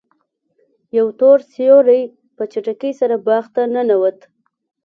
یو تور سیوری په چټکۍ سره باغ ته ننوت.